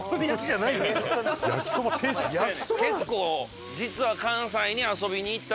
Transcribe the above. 結構実は。